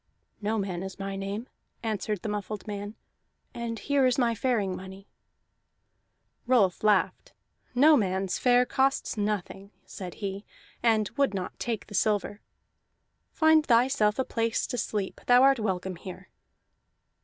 "No man is my name," answered the muffled man, "and here is my faring money." Rolf laughed. "No man's fare costs nothing," said he, and would not take the silver. "Find thyself a place to sleep; thou art welcome here."